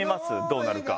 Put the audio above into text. どうなるか。